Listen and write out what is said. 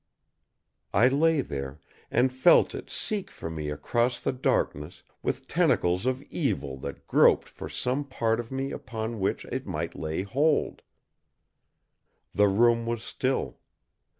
I lay there, and felt It seek for me across the darkness with tentacles of evil that groped for some part of me upon which It might lay hold. The room was still.